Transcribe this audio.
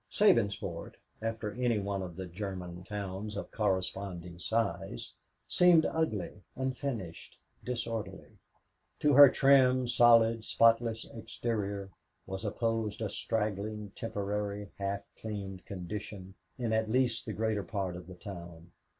Sabinsport, after any one of the German towns of corresponding size, seemed ugly, unfinished, disorderly. To their trim, solid, spotless exterior was opposed a straggling, temporary, half cleaned condition in at least the greater part of the town.